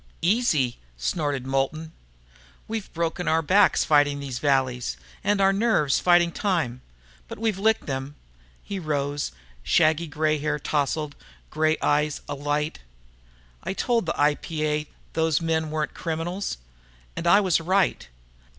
"Easy!" snorted Moulton. "We've broken our backs fighting these valleys. And our nerves, fighting time. But we've licked 'em!" He rose, shaggy grey hair tousled, grey eyes alight. "I told the IPA those men weren't criminals. And I was right.